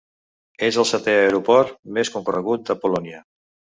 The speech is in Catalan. És el setè aeroport més concorregut de Polònia.